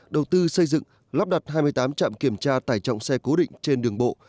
đầu tư xây dựng lắp đặt hai mươi tám trạm kiểm tra tải trọng xe cố định trên đường bộ